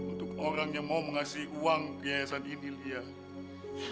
untuk orang yang mau ngasih uang ke yayasan ini lia